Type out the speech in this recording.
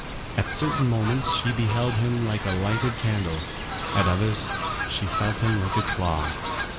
At certain moments she beheld him like a lighted candle; at others she felt him like a claw.